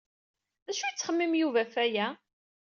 D acu yettxemmim Yuba ɣef aya?